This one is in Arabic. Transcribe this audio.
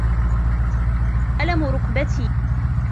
الم ركبتي.